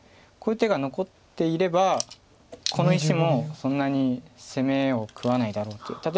こういう手が残っていればこの石もそんなに攻めを食わないだろうという。